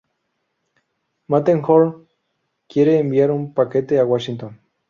Matterhorn quiere enviar un paquete a Washington.